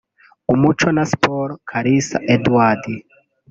Umuco na Siporo Kalisa Edouard